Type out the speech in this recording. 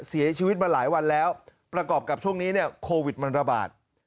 เสียชีวิตมาหลายวันแล้วประกอบกับช่วงนี้เนี่ยโควิดมันระบาด